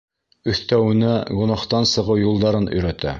Өҫтәүенә гонаһтан сығыу юлдарын өйрәтә.